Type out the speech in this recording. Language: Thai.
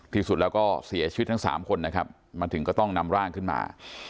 ที่สุดแล้วก็เสียชีวิตทั้งสามคนนะครับมาถึงก็ต้องนำร่างขึ้นมา